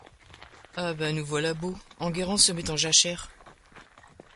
Ah ben nous voilà beaux : Enguerrand se met en jachère !